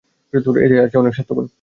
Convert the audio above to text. এতে আছে অনেক স্বাস্থ্যগুণ।